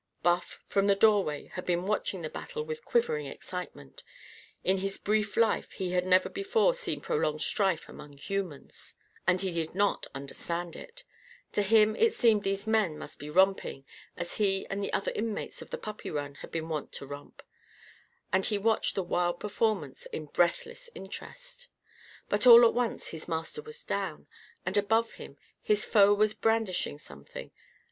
Buff, from the doorway, had been watching the battle with quivering excitement. In his brief life he had never before seen prolonged strife among humans. And he did not understand it. To him it seemed these men must be romping, as he and the other inmates of the puppy run had been wont to romp. And he watched the wild performance in breathless interest. But, all at once, his master was down. And, above him, his foe was brandishing something.